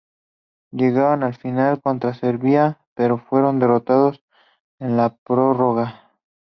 Llegaron a la final, contra Serbia, pero fueron derrotados en la prórroga.